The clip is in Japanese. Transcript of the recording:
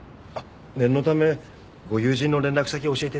念のためご友人の連絡先教えていただけますか？